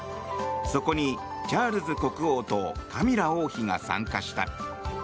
そこにチャールズ国王とカミラ王妃が参加した。